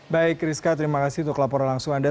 baik rizka terima kasih untuk laporan langsung anda